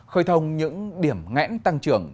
khởi thông những điểm ngãn tăng trưởng